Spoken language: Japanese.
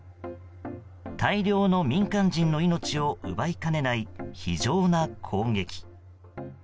大量の民間人の命を奪いかねない非情な攻撃。